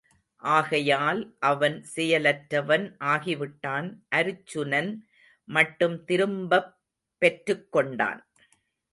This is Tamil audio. ஆகையால் அவன் செயலற்றவன் ஆகிவிட்டான், அருச்சுனன் மட்டும் திரும்பப் பெற்றுக் கொண்டான்.